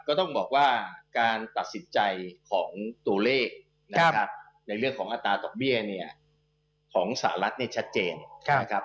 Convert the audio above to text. ก็ต้องบอกว่าการตัดสินใจของตัวเลขนะครับในเรื่องของอัตราดอกเบี้ยเนี่ยของสหรัฐเนี่ยชัดเจนนะครับ